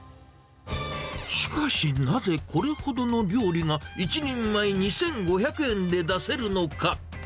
しかしなぜ、これほどの料理が１人前２５００円で出せるのか。